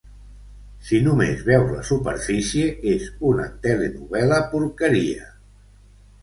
Si només veus la superfície, és una telenovel·la porqueria.